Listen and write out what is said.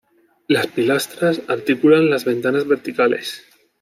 Las pilastras articulan las ventanas verticales.